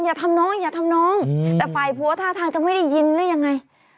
อย่าทำน้องอย่าทำน้องแต่ฝ่ายผัวท่าทางจะไม่ได้ยินหรือยังไง